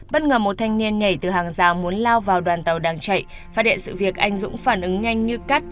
bất ngờ một thanh niên nhảy từ hàng rào muốn lao vào đoàn tàu đang chạy phát hiện sự việc anh dũng phản ứng nhanh như cắt